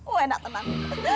wah enak tenang